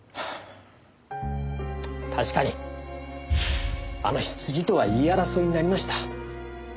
確かにあの日辻とは言い争いになりました。